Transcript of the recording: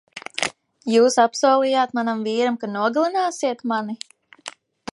Jūs apsolījāt manam vīram, ka nogalināsit mani?